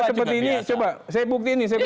ini kok seperti ini coba saya buktiin ini saya